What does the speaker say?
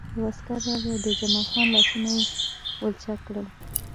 یو عسکر راغی او د جمال خان لاسونه یې ولچک کړل